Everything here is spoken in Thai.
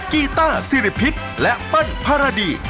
กีต้าสิริพิษและเปิ้ลภารดี